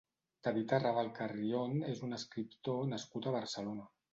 David Arrabal Carrión és un escriptor nascut a Barcelona.